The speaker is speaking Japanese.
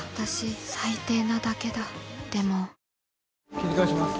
切り返します。